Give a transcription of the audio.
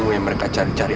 yang mereka cari cari